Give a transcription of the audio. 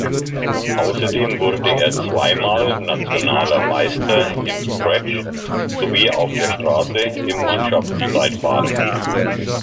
Außerdem wurde er zweimal nationaler Meister im Scratch sowie auf der Straße im Mannschaftszeitfahren.